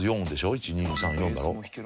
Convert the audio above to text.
１２３４だろ。